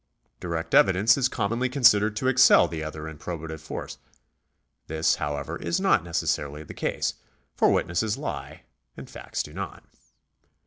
Direct evidence is commonly considered to excel the other in proba tive force. This, however, is not necessarily the case, for witnesses lie, and facts do not.